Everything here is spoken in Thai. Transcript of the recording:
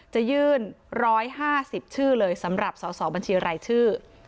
จะยื่นร้อยห้าสิบชื่อเลยสำหรับส่อส่อบัญชีรายชื่อ